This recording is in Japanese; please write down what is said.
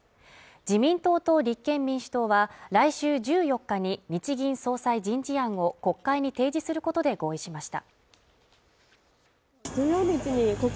自民党と立憲民主党は来週１４日に日銀総裁人事案を国会に提示することで合意しました